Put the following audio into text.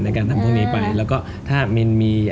การทำพวกนี้ไปแล้วก็ถ้ามินมี